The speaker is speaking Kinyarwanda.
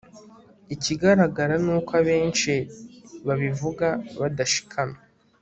ikigaragara ni uko abenshi babivuga badashikamye